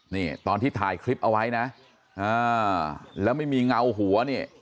นี่ตอนที่ถ่ายคลิปเอาไว้นะแล้วไม่มีเงาหัวเนี่ย